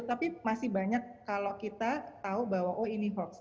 tapi masih banyak kalau kita tahu bahwa oh ini hoax